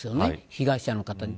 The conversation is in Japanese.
被害者の方に。